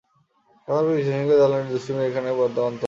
তারপর বিজয়সিংহ হলেন রাজা, দুষ্টুমির এইখানেই বড় অন্ত হলেন না।